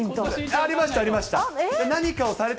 ありました、ありました。